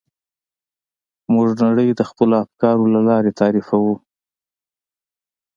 موږ نړۍ د خپلو افکارو له لارې تعریفوو.